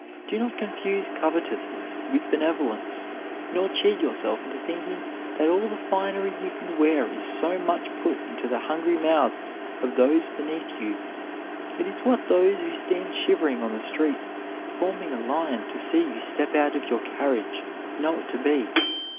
Do not confuse covetousness with benevolence, nor cheat yourself into thinking that all the finery you can wear is so much put into the hungry mouths of those beneath you. It is what those who stand shivering on the street, forming a line to see you step out of your carriage, know it to be.